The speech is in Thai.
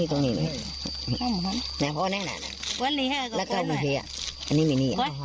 ตรงนี้หรือตรงนี้